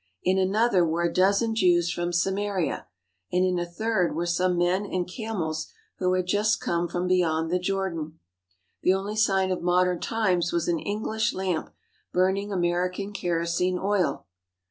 In another were a dozen Jews from Samaria, and in a third were some men and camels who had just come from beyond the Jordan. The only sign of modern times was an English lamp burning American kerosene oil.